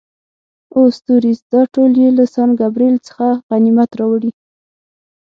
اووه ستوریز، دا ټول یې له سان ګبرېل څخه په غنیمت راوړي.